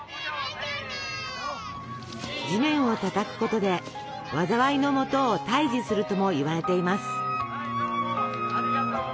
地面をたたくことで災いのもとを退治するともいわれています。